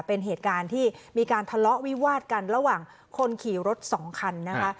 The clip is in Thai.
เป็นเหตุการณ์ที่มีการทะเลาะวิวาดกันระหว่างคนขี่รถสองคันนะคะ